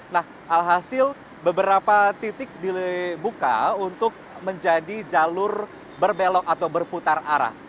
nah alhasil beberapa titik dibuka untuk menjadi jalur berbelok atau berputar arah